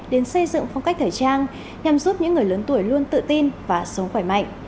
đến xây dựng phong cách thời trang nhằm giúp những người lớn tuổi luôn tự tin và sống khỏe mạnh